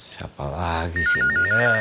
siapa lagi sih ini ya